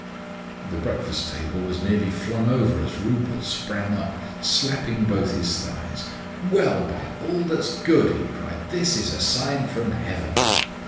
The breakfast table was nearly flung over as Rupert sprang up, slapping both his thighs. "Well, by all that's good," he cried. "This is a sign from heaven."